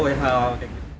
saya nggak tahu